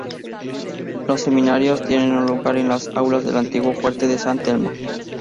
Los seminarios tienen lugar en las aulas del antiguo Fuerte de San Telmo.